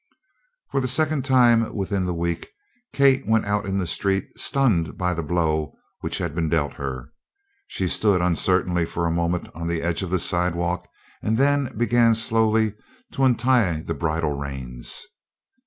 For the second time within the week Kate went out in the street stunned by the blow which had been dealt her: She stood uncertainly for a moment on the edge of the sidewalk and then began slowly to untie the bridle reins.